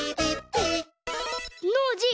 ノージー